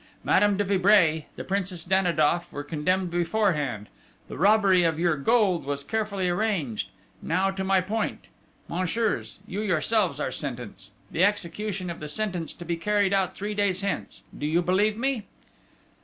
Madame de Vibray, the Princess Danidoff were condemned beforehand; the robbery of your gold was carefully arranged. Now to my point! Messieurs, you yourselves are sentenced: the execution of the sentence to be carried out three days hence. Do you believe me?"